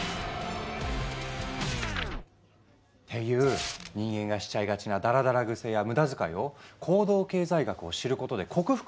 ていう人間がしちゃいがちなダラダラ癖や無駄遣いを行動経済学を知ることで克服できるんじゃないか。